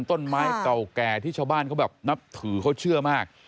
ต้นไม้เก่าแก่ที่ชาวบ้านเขาแบบนับถือเขาเชื่อมาก